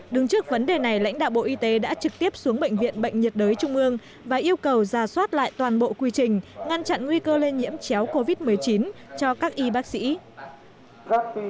đứng trước vấn đề này lãnh đạo bộ y tế đã trực tiếp xuống bệnh viện bệnh nhiệt đới trung ương và yêu cầu ra soát lại toàn bộ quy trình ngăn chặn nguy cơ lây nhiễm chéo covid một mươi chín cho các y bác sĩ